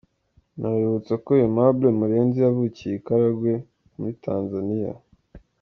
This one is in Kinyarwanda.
Nabibutsa ko Aimable Murenzi yavukiye i Karagwe muri Tanzania.